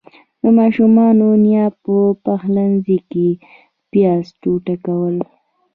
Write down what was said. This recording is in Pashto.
د ماشومانو نيا په پخلنځي کې پياز ټوټه کول.